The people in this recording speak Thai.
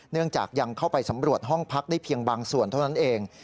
เนื่องจากยังเข้าไปสำรวจห้องพักได้เพียงบางส่วนเท่านั้นเอง